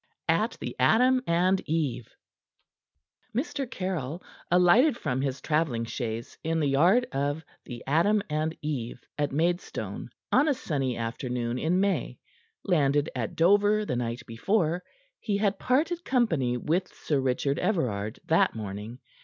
AT THE "ADAM AND EVE" Mr. Caryll, alighted from his traveling chaise in the yard of the "Adam and Eve," at Maidstone, on a sunny afternoon in May. Landed at Dover the night before, he had parted company with Sir Richard Everard that morning.